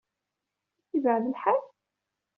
Yebɛed lḥal?